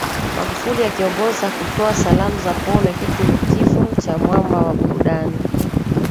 Magufuli akiongoza kutoa salamu za pole Hiki ni kifo cha mwamba wa burudani